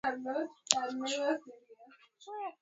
makubaliano yaliwekwa na wadai wake wakati wa malipo